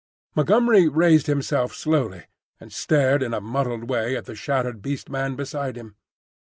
Montgomery raised himself slowly and stared in a muddled way at the shattered Beast Man beside him.